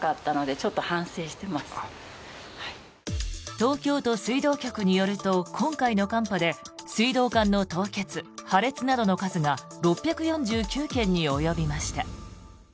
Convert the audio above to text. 東京都水道局によると今回の寒波で水道管の凍結、破裂などの数が６４９件に及びました。